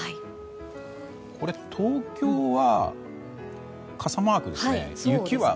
東京は傘マークですよね？